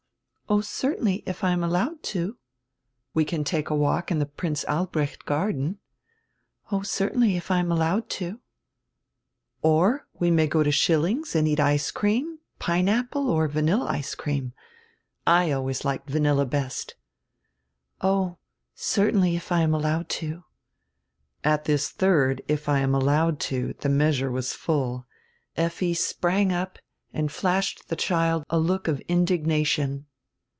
"Oh, certainly, if I am allowed to." "We can take a walk in the Prince Albrecht Garden." "Oh, certainly, if I am allowed to." "Or we may go to Schilling's and eat ice cream, pine apple or vanilla ice cream. I always liked vanilla hest." "Oh, certainly, if I am allowed to." At this third "if I am allowed to" die measure was full. Effi sprang up and flashed die child a look of indignation.